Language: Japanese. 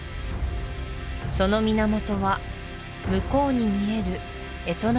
その源は向こうに見えるエトナ